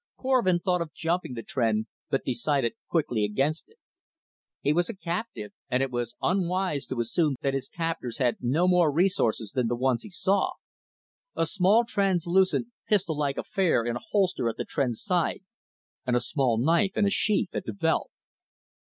Korvin thought of jumping the Tr'en, but decided quickly against it. He was a captive, and it was unwise to assume that his captors had no more resources than the ones he saw: a small translucent pistollike affair in a holster at the Tr'en's side, and a small knife in a sheath at the belt.